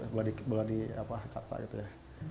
boleh dikata gitu ya